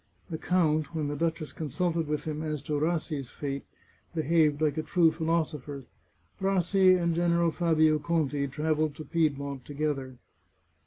The count, when the duchess consulted with him as to Rassi's fate, behaved like a true philosopher. Rassi and General Fabio Conti travelled to Piedmont together.